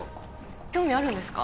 興味あるんですか？